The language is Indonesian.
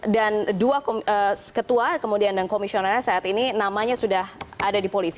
dan dua ketua kemudian dan komisioner saat ini namanya sudah ada di polisi